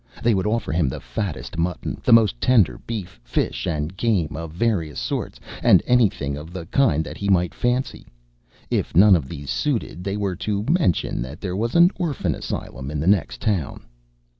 They would offer him the fattest mutton, the most tender beef, fish, and game of various sorts, and any thing of the kind that he might fancy. If none of these suited, they were to mention that there was an orphan asylum in the next town.